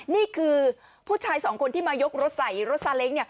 นี่คือผู้ชายสองคนที่มายกรถใส่รถซาเล้ง